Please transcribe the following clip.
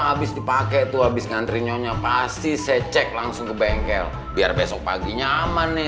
habis dipakai tuh habis ngantri nyonya pasti saya cek langsung ke bengkel biar besok pagi nyaman nih